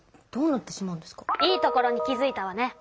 いいところに気づいたわね。